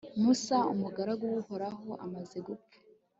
musa, umugaragu w'uhoraho amaze gupfa